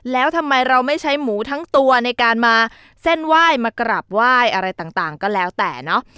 แล้วทำไมเราไม่ใช้หมูทั้งตัวในการมาเส้นไหว้มากราบไหว้อะไรต่างก็แล้วแต่เนาะ